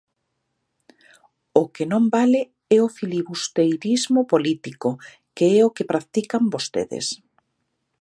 O que non vale é o filibusteirismo político, que é o que practican vostedes.